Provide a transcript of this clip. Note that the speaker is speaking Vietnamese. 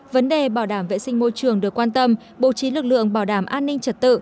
vấn đề bảo đảm vệ sinh môi trường được quan tâm bố trí lực lượng bảo đảm an ninh trật tự